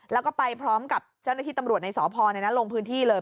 แล้วก็ไปพร้อมกับเจ้าหน้าที่ตำรวจในสพลงพื้นที่เลย